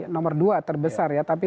nomor dua terbesar ya tapi